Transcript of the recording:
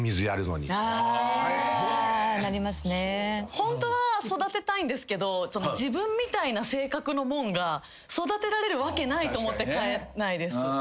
ホントは育てたいんですけど自分みたいな性格のもんが育てられるわけないと思って買えないです。